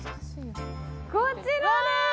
こちらでーす！